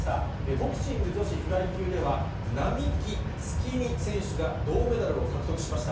ボクシング女子フライ級では、並木月海選手が銅メダルを獲得しました。